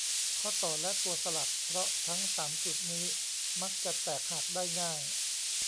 ข้อต่อ และตัวสลัก เพราะทั้ง สาม จุดนี้มักจะแตกหักได้ง่าย